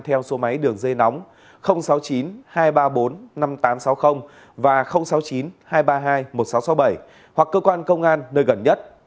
theo số máy đường dây nóng sáu mươi chín hai trăm ba mươi bốn năm nghìn tám trăm sáu mươi và sáu mươi chín hai trăm ba mươi hai một nghìn sáu trăm sáu mươi bảy hoặc cơ quan công an nơi gần nhất